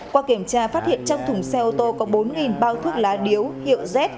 qua kiểm tra phát hiện trong thùng xe ô tô có bốn bao thuốc lá điếu hiệu z